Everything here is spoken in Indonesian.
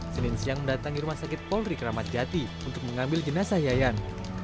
senin siang mendatangi rumah sakit pori kramatjati untuk mengambil jenazah yayan